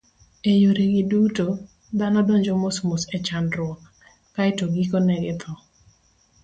E yoregi duto, dhano donjo mosmos e chandruok, kae to gikone githo.